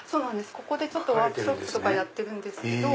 ここでワークショップとかやってるんですけど。